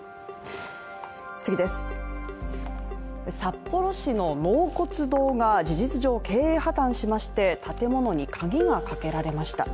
札幌市の納骨堂が事実上、経営破たんしまして、建物に鍵がかけられました。